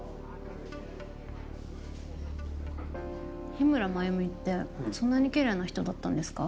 日村繭美ってそんなにキレイな人だったんですか？